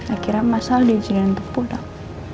akhirnya mas aldi jalan untuk pulang